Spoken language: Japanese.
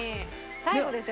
最後ですよ